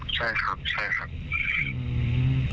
ใช่ครับ